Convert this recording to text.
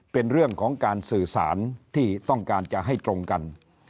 เป็นเรื่องของการสื่อสารที่ต้องการจะให้ตรงกัน